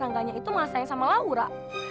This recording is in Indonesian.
rangganya itu malah sayang sama laura